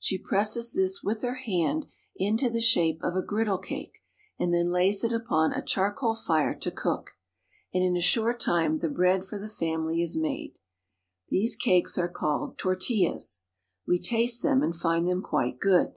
She presses this with her hand into the shape of a griddlecake, and then lays it upon a charcoal fire to cook ; and in a short time the bread for the famih^ is made. These cakes are called tortillas. We taste them, and find them quite good.